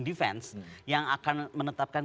defense yang akan menetapkan